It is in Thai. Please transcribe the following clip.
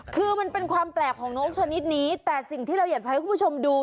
คือมันเป็นความแปลกของน้องชนิดนี้แต่สิ่งที่เราอยากจะให้คุณผู้ชมดู